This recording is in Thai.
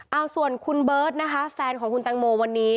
เอาส่วนคุณเบิร์ตนะคะแฟนของคุณแตงโมวันนี้